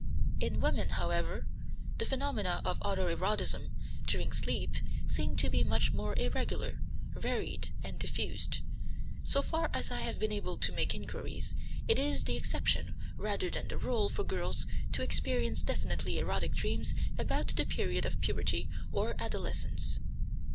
In women, however, the phenomena of auto erotism during sleep seem to be much more irregular, varied, and diffused. So far as I have been able to make inquiries, it is the exception rather than the rule for girls to experience definitely erotic dreams about the period of puberty or adolescence.